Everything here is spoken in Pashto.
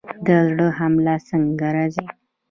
د زړه حمله څنګه راځي؟